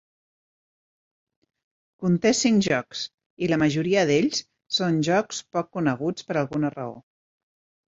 Conté cinc jocs, i la majoria d’ells són jocs poc coneguts per alguna raó.